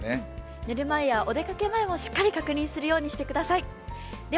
寝る前やお出かけ前もしっかり確認するようにしてください。